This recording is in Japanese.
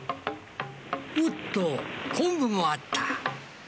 おっと、昆布もあった。